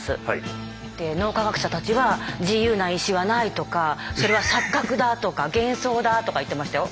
脳科学者たちは「自由な意志はない」とか「それは錯覚だ」とか「幻想だ」とか言ってましたよ。